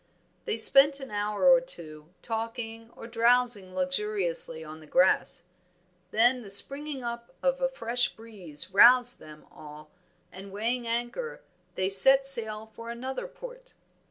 They spent an hour or two talking or drowsing luxuriously on the grass; then the springing up of a fresh breeze roused them all, and weighing anchor they set sail for another port.